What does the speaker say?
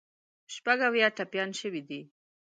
شپږ اویا ټپیان شوي دي.